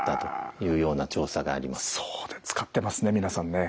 そう使ってますね皆さんね。